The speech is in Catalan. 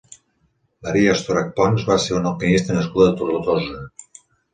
Maria Estorach Pons va ser una alpinista nascuda a Tortosa.